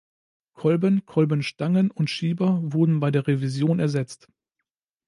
Kolben, Kolbenstangen und Schieber wurden bei der Revision ersetzt.